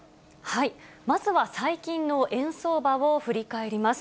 まずは最近の円相場を振り返ります。